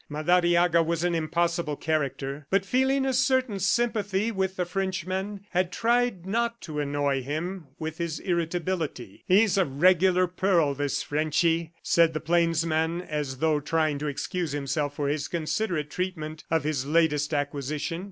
Madariaga was an impossible character, but feeling a certain sympathy with the Frenchman, had tried not to annoy him with his irritability. "He's a regular pearl, this Frenchy," said the plainsman as though trying to excuse himself for his considerate treatment of his latest acquisition.